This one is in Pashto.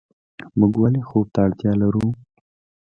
موږ ولې خوب ته اړتیا لرو